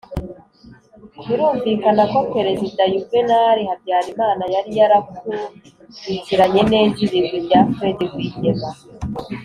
birumvikana ko perezida yuvenali habyarimana yari yarakurikiranye neza ibigwi bya fred rwigema